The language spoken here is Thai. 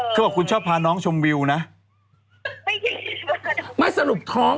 ก็อ้วนขึ้นแค่นั้นเองก็น้องก็ชุดกินแค่นั้นเอง